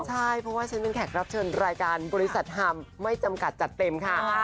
ใช่เพราะว่าฉันเป็นแขกรับเชิญรายการบริษัทฮามไม่จำกัดจัดเต็มค่ะ